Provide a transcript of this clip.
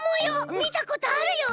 みたことあるよ！